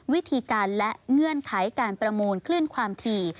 วิธีการและเงื่อนไขการประมูลคลื่นความถี่